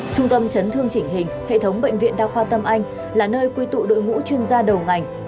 trung tâm chấn thương chỉnh hình hệ thống bệnh viện đa khoa tâm anh là nơi quy tụ đội ngũ chuyên gia đầu ngành